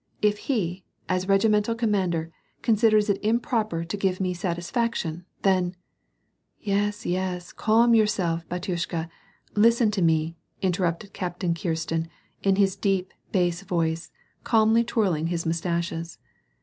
If he, as regimental commander, considers it improper to give me satisfaction, then "—" Yes, yes, calm yourself, batyushka, listen to me," inter rupted Captain Kirsten, in his deep, bass voice, calmly twirl ing his mustaches.